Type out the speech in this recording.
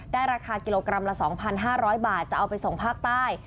ราคากิโลกรัมละ๒๕๐๐บาทจะเอาไปส่งภาคใต้